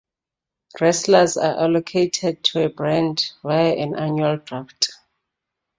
Wrestlers are allocated to a brand via an annual draft.